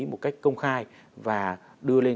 một cách công khai và đưa lên